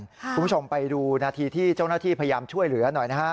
คุณผู้ชมไปดูนาทีที่เจ้าหน้าที่พยายามช่วยเหลือหน่อยนะฮะ